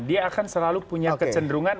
dia akan selalu punya kecenderungan